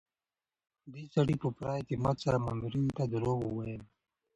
دې سړي په پوره اعتماد سره مامورینو ته دروغ وویل.